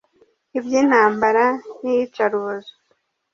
iby’intambara n’iyicarubozo